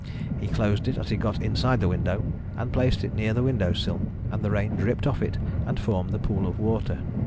He closed it as he got inside the window, and placed it near the window sill, and the rain dripped off it and formed the pool of water.